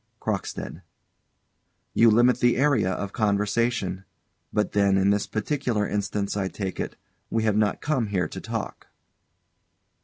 CROCKSTEAD. You limit the area of conversation. But then, in this particular instance, I take it, we have not come here to talk?